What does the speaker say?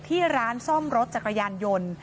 ที่ร้านซ่อมรถจักรยานยนต์